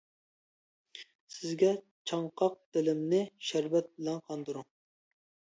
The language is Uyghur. سىزگە چاڭقاق دىلىمنى، شەربەت بىلەن قاندۇرۇڭ.